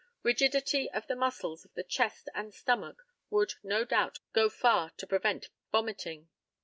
Rigidity of the muscles of the chest and stomach would no doubt go far to prevent vomiting.